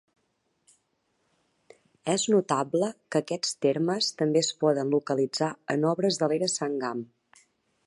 És notable que aquests termes també es poden localitzar en obres de l'era Sangam.